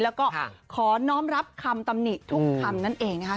แล้วก็ขอน้องรับคำตำหนิทุกคำนั่นเองนะคะ